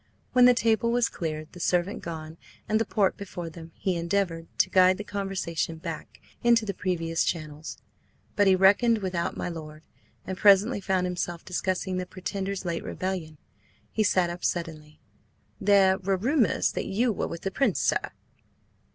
When the table was cleared, the servant gone, and the port before them, he endeavoured to guide the conversation back into the previous channels. But he reckoned without my lord, and presently found himself discussing the Pretender's late rebellion. He sat up suddenly. "There were rumours that you were with the Prince, sir."